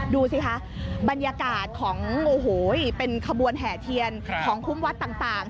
ดูสิคะบรรยากาศของโอ้โหเป็นขบวนแห่เทียนของคุ้มวัดต่าง